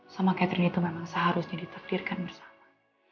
sama catherine itu memang seharusnya diterdirkan bersama